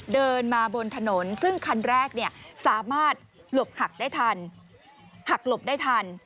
เดินมาบนถนนซึ่งคันแรกสามารถหลบหักได้ทัน